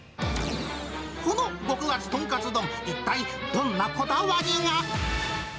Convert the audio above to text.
この極厚とんかつ丼、一体どんなこだわりが。